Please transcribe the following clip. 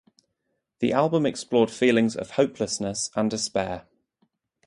The album explored feelings of hopelessness and despair.